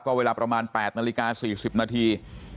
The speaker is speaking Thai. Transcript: เวลาประมาณ๘นาฬิกา๔๐นาที